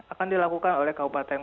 akan dilakukan oleh kabupaten